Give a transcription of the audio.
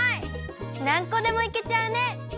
なんこでもいけちゃうね！